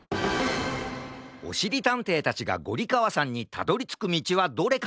おしりたんていたちがゴリかわさんにたどりつくみちはどれかな？